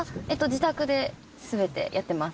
自宅で全てやってます。